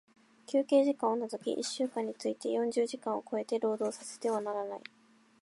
休憩時間を除き一週間について四十時間を超えて、労働させてはならない。